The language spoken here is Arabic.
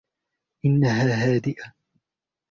إنها هادئة.